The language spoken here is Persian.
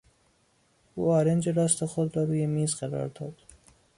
او آرنج راست خود را روی میز قرار داد.